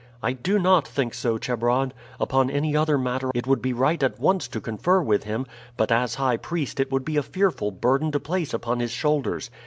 "I do not think so, Chebron. Upon any other matter it would be right at once to confer with him, but as high priest it would be a fearful burden to place upon his shoulders.